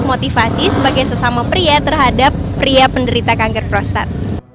dan memotivasi sebagai sesama pria terhadap pria penderita kanker prostat